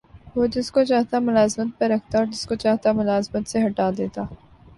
وہ جس کو چاہتا ملازمت پر رکھتا اور جس کو چاہتا ملازمت سے ہٹا دیتا